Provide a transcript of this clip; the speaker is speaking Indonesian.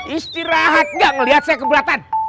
istirahat nggak ngelihat saya kebeletan